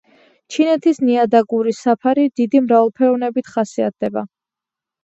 ჩინეთის ნიადაგური საფარი დიდი მრავალფეროვნებით ხასიათდება.